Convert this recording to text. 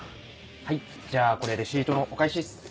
はいじゃあこれレシートのお返しっす。